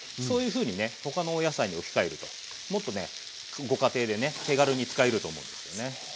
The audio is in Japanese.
そういうふうにね他のお野菜に置き換えるともっとねご家庭でね手軽に使えると思うんですよね。